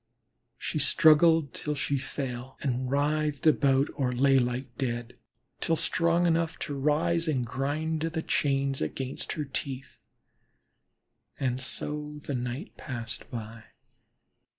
She struggled till she fell, and writhed about or lay like dead, till strong enough to rise and grind the chains again with her teeth. And so the night passed by.